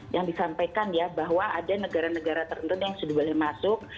yang disampaikan ya bahwa ada negara negara tertentu yang sudah boleh masuk